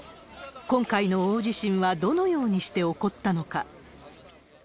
今回の大地震はどのようにして起こったのか。